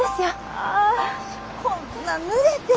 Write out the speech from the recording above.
ああこんなぬれて。